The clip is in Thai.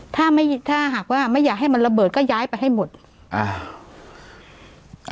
ถ้าไม่ถ้าหากว่าไม่อยากให้มันระเบิดก็ย้ายไปให้หมดอ่า